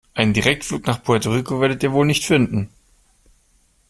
Einen Direktflug nach Puerto Rico werdet ihr wohl nicht finden.